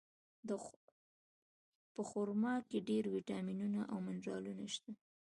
په خرما کې ډېر ویټامینونه او منرالونه شته.